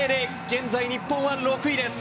現在、日本は６位です。